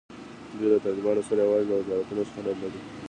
دوی له طالبانو سره یوازې د وزارتونو شخړه لري.